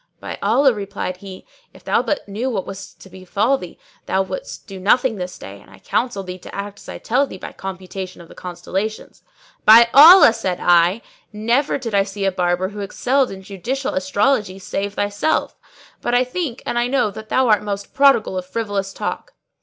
"By Allah," replied he, "if thou but knew what is about to befall thee, thou wouldst do nothing this day, and I counsel thee to act as I tell thee by computation of the constellations." "By Allah," said I, "never did I see a barber who excelled in judicial astrology save thyself: but I think and I know that thou art most prodigal of frivolous talk.